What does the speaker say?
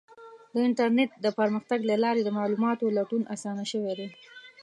د انټرنیټ د پرمختګ له لارې د معلوماتو لټون اسانه شوی دی.